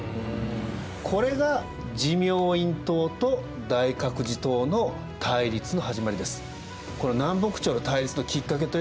これが持明院統と大覚寺統の対立の始まりです。